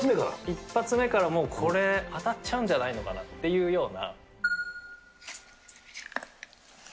一発目からもうこれ、当たっちゃうんじゃないのかなっていうような。